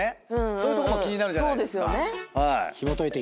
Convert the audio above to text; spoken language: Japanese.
そういうとこも気になるじゃないですか。